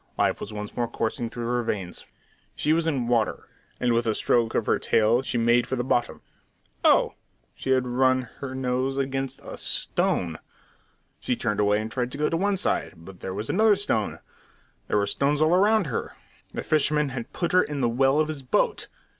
Life was once more coursing through her veins. She was in water, and with a stroke of her tail she made for the bottom. Oh! She had run her nose against a "stone!" She turned away and tried to go to one side, but there was another stone; there were stones all round her. The fisherman had put her into the well of his boat.